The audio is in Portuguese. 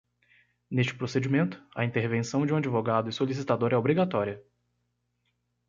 Neste procedimento, a intervenção de um advogado e solicitador é obrigatória.